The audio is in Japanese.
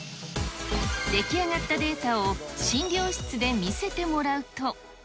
出来上がったデータを診療室で見せてもらうと。